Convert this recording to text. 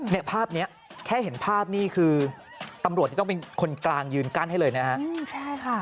เนี่ยภาพนี้แค่เห็นภาพนี่คือตำรวจที่ต้องเป็นคนกลางยืนกั้นให้เลยนะฮะใช่ค่ะ